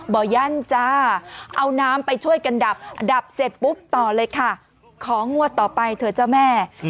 บ่อยั่นจ้าเอาน้ำไปช่วยกันดับดับเสร็จปุ๊บต่อเลยค่ะของงวดต่อไปเถอะเจ้าแม่